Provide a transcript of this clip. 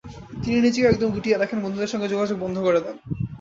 তিনি নিজেকে একদম গুটিয়ে রাখেন, বন্ধুদের সঙ্গে যোগাযোগ বন্ধ করে দেন।